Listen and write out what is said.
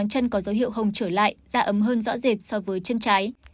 chân có dấu hiệu hồng trở lại da ấm hơn rõ rệt so với chân trái